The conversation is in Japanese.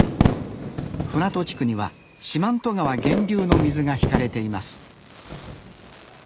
船戸地区には四万十川源流の水が引かれています